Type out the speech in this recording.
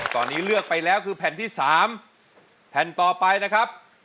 ตอนนี้เลือกไปแล้วคือแผ่นที่๓แผ่นต่อไปนะครับ